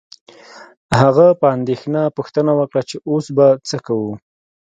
هغه په اندیښنه پوښتنه وکړه چې اوس به څه کوو